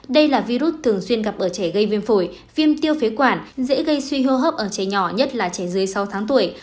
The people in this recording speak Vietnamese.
đây là virus thường xuyên gặp ở trẻ gây viêm phổi viêm tiêu phế quản dễ gây suy hô hấp ở trẻ nhỏ nhất là trẻ dưới sáu tháng tuổi